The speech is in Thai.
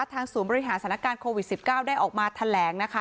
ทางสวมบริหารสถานการณ์โควิดสิบเก้าได้ออกมาแถลงนะคะ